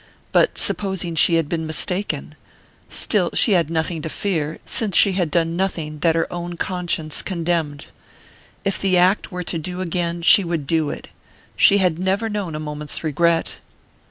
But, supposing she had been mistaken, she still had nothing to fear, since she had done nothing that her own conscience condemned. If the act were to do again she would do it she had never known a moment's regret!